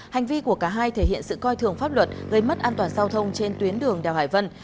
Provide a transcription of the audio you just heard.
hành vi của cả hai thể hiện sự coi thường pháp luật gây mất an toàn giao thông trên tuyến đường đèo hải vân